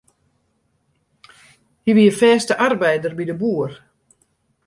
Hy wie fêste arbeider by de boer.